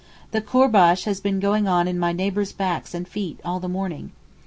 The courbash has been going on my neighbours' backs and feet all the morning.